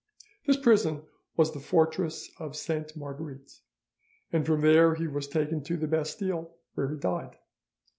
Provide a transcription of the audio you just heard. This prison was the fortress of Sainte Marguerite, and from there he was taken to the Bastille, where he died.